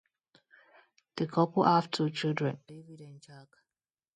The couple have two children, David and Jack.